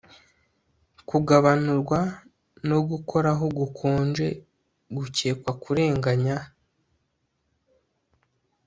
Kugabanurwa no gukoraho gukonje gukekwa kurenganya